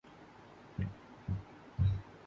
وہ باڑہ جس کا میں نے ذکر کیا ہے